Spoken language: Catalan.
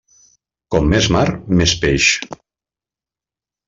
Com més mar, més peix.